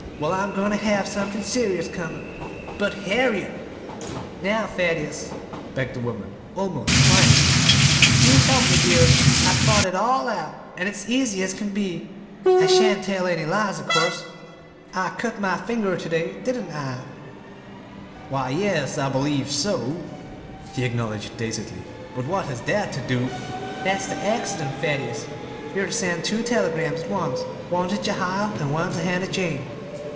Well, I'm goin' ter have somethin' 'serious' come up!" "But, Harriet " "Now, Thaddeus," begged the woman, almost crying, "you must help me, dear. I've thought it all out, an' it's easy as can be. I shan't tell any lies, of course. I cut my finger to day, didn't I?" "Why yes I believe so," he acknowledged dazedly; "but what has that to do " "That's the 'accident,' Thaddeus. You're ter send two telegrams at once one ter Jehiel, an' one ter Hannah Jane.